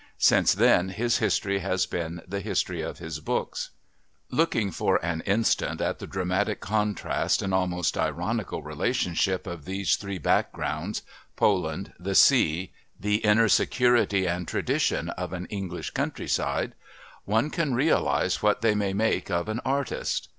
Since then his history has been the history of his books. Looking for an instant at the dramatic contrast and almost ironical relationship of these three backgrounds Poland, the Sea, the inner security and tradition of an English country side one can realise what they may make of an artist.